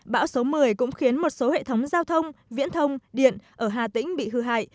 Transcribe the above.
bão số một mươi cũng khiến một số hệ thống giao thông viễn thông điện ở hà tĩnh bị hư hại